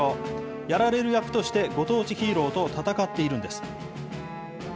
やられる役として、ご当地ヒーローと戦っているんです。